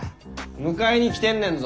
迎えに来てんねんぞ